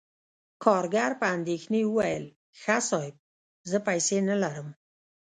کارګر په اندیښنې وویل: "ښه، صاحب، زه پیسې نلرم..."